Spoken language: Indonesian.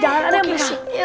jangan ada yang berisik